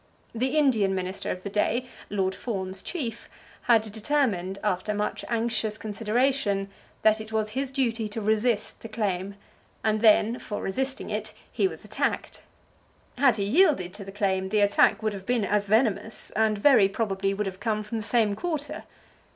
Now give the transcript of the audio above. The Indian minister of the day, Lord Fawn's chief, had determined, after much anxious consideration, that it was his duty to resist the claim; and then, for resisting it, he was attacked. Had he yielded to the claim, the attack would have been as venomous, and very probably would have come from the same quarter.